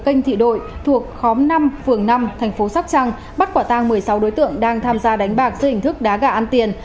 công an tp nha trang bắt quả tang một mươi sáu đối tượng đang tham gia đánh bạc dưới hình thức đá gà ăn tiền